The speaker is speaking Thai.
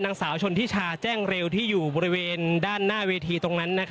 นางสาวชนทิชาแจ้งเร็วที่อยู่บริเวณด้านหน้าเวทีตรงนั้น